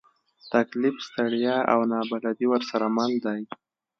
تکلیف، ستړیا، او نابلدي ورسره مل دي.